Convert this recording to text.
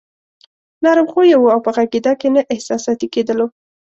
نرم خويه وو او په غږېدا کې نه احساساتي کېدلو.